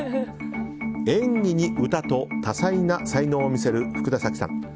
演技に歌と多彩な才能を見せる福田沙紀さん。